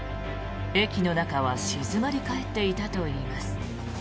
駅の中は静まり返っていたといいます。